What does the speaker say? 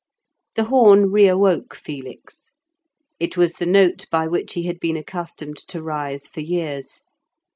The horn re awoke Felix; it was the note by which he had been accustomed to rise for years.